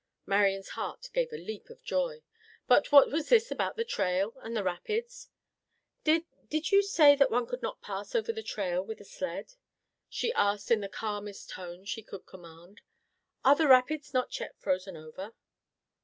Marian's heart gave a leap of joy. But what was this about the trail and the rapids? "Did—did you say that one could not pass over the trail with a sled?" she asked in the calmest tone she could command. "Are the rapids not yet frozen over?"